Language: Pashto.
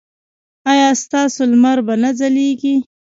ایا ستاسو لمر به نه ځلیږي؟